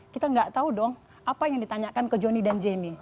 kita nggak tahu dong apa yang ditanyakan ke jonny dan jenny